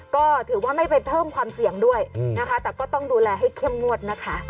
ก็ถือว่าไม่ไปเพิ่มความเสี่ยงด้วยนะคะแต่ก็ต้องดูแลให้เข้มงวดนะคะ